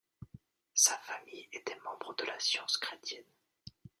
Sa famille était membre de la Science Chrétienne..